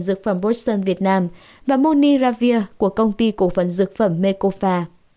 dược phẩm bosson việt nam và moniravir của công ty cổ phần dược phẩm mekofa